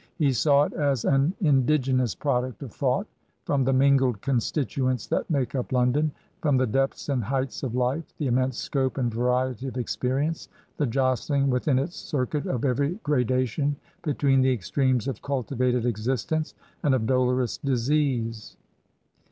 He saw it as an indigenous product of thought from the mingled constituents that make up London — ^from the depths and heights of life, the immense scope and variety of experi ence, the jostling within its circuit of every gradation between the extremes of cultivated existence and of dolorous disease.